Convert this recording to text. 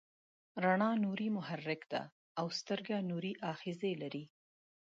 رڼا نوري محرک ده او سترګه نوري آخذې لري.